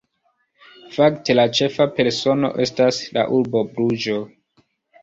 Fakte, la ĉefa persono estas la urbo Bruĝo.